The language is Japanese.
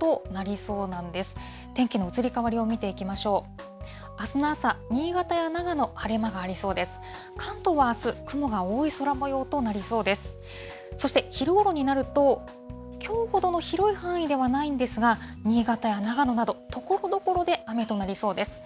そして昼ごろになると、きょうほどの広い範囲ではないんですが、新潟や長野など、ところどころで雨となりそうです。